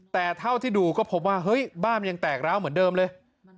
แต่เท่าที่ดูก็พบว่าเฮ้ยบ้านยังแตกร้าวเหมือนเดิมเลย